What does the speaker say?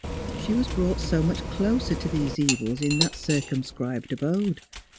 She was brought so much closer to these evils in that circumscribed abode.